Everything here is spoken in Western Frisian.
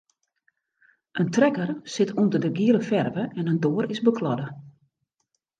In trekker sit ûnder de giele ferve en in doar is bekladde.